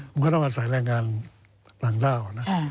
มันก็ต้องอาศัยแรงงานต่างด้าวนะ